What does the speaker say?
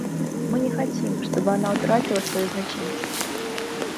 Мы не хотим, чтобы она утратила свою значимость.